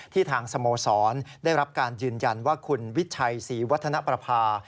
ทางสโมสรได้รับการยืนยันว่าคุณวิชัยศรีวัฒนประภา